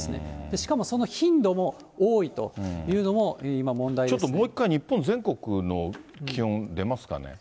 しかもその頻度も多いというのも、ちょっともう一回、日本全国の気温、出ますかね。